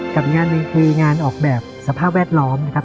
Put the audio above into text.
กับอีกงานหนึ่งคืองานออกแบบสภาพแวดล้อมนะครับ